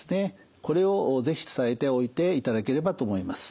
これを是非伝えておいていただければと思います。